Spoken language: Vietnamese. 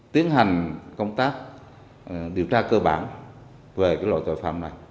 tiến hành công tác điều tra cơ bản về loại tội phạm này